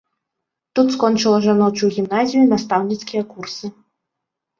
Тут скончыла жаночую гімназію і настаўніцкія курсы.